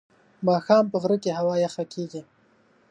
ماښام په غره کې هوا یخه کېږي.